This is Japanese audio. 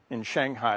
はい。